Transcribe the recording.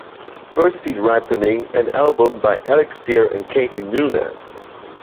"First Seed Ripening" an album by Elixir and Katie Noonan.